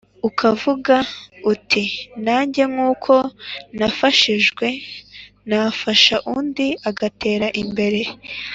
ukavuga uti nange nk’uko nafashijwe nafasha undi agatera imbere.